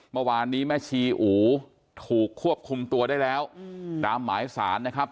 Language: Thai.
เมื่อวานนี้แม่ชีอูถูกควบคุมตัวได้แล้วตามหมายสารนะครับ